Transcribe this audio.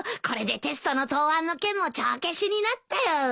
これでテストの答案の件も帳消しになったよ。